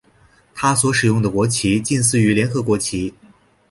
它所使用的国旗近似于联合国旗。